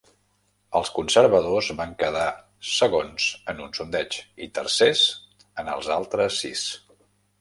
Els conservadors van quedar segons en un sondeig, i tercers en els altres sis.